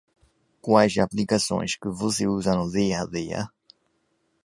Quais aplicações que você usa no dia-a-dia?